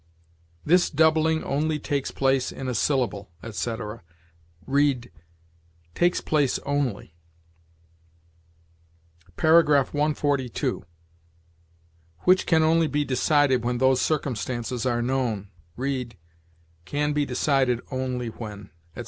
"This doubling only takes place in a syllable," etc.; read, "takes place only." 142. "Which can only be decided when those circumstances are known"; read, "can be decided only when," etc.